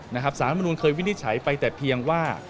สารมนุนเคยวินิจฉัยไปแต่เพียงว่า